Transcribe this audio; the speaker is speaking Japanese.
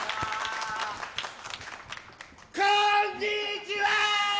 こんにちはー！